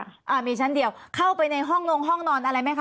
อ่ามีชั้นเดียวเข้าไปในห้องลงห้องนอนอะไรไหมคะ